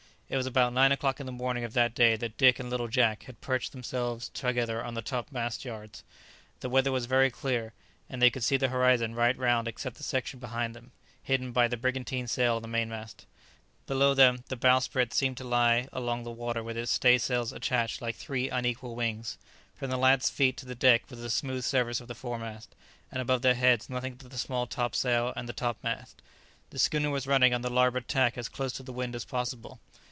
It was about nine o'clock in the morning of that day that Dick and little Jack had perched themselves together on the top mast yards. The weather was very clear, and they could see the horizon right round except the section behind them, hidden by the brigantine sail on the main mast. Below them, the bowsprit seemed to lie along the water with its stay sails attached like three unequal wings; from the lads' feet to the deck was the smooth surface of the fore mast; and above their heads nothing but the small top sail and the top mast. The schooner was running on the larboard tack as close to the wind as possible.